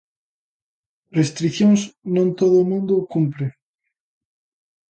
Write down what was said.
Restricións non todo o mundo cumpre.